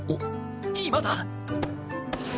今だ！